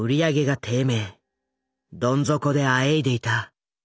どん底であえいでいた。